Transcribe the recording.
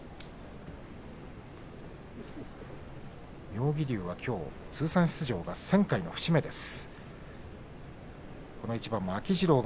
妙義龍は、きょう通算出場１０００回の節目です。